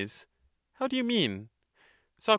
How do you mean? Soc.